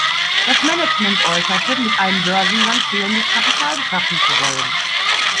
Das Management äußerte, mit einem Börsengang fehlendes Kapital beschaffen zu wollen.